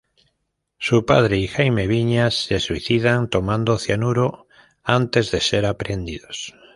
Su padre y Jaime Viñas se suicidan, tomando cianuro, antes de ser aprehendidos.